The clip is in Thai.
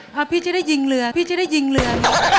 พอพี่จะได้ยิงเรือพี่จะได้ยิงเรือ